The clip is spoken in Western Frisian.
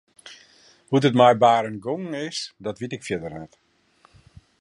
Hoe't it mei Barend gongen is dat wit ik fierder net.